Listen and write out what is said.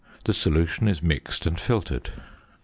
The solution is mixed and filtered.